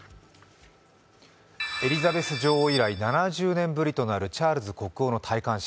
エリザベス女王以来７０年ぶりとなるチャールズ国王の戴冠式。